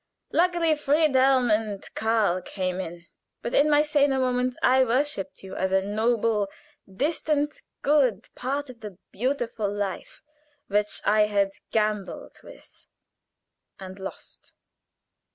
Luckily Friedel and Karl came in, but in my saner moments I worshiped you as a noble, distant good part of the beautiful life which I had gambled with and lost.